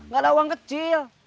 gak ada uang kecil